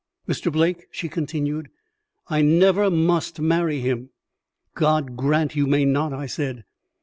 "Mr. Blake," she continued, "I never must marry him." "God grant you may not," I said.